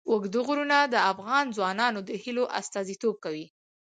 اوږده غرونه د افغان ځوانانو د هیلو استازیتوب کوي.